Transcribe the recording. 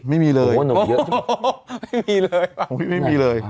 ไม่มีเลยโอ้โห้โนะไม่มีเลยค่ะไม่มีเลยค่ะ